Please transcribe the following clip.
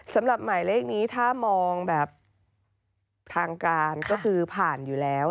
สำหรับหมายเลขนี้ถ้ามองแบบทางการก็คือผ่านอยู่แล้ว